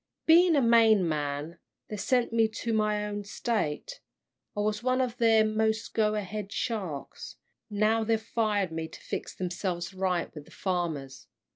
Being a Maine man, they sent me to my own State. I was one of their most go ahead sharks, now they've fired me to fix themselves right with the farmers.